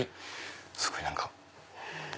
すごい何か。